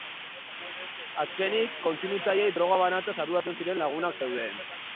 Azkenik, kontsumitzaileei droga banatzeaz arduratzen ziren lagunak zeuden.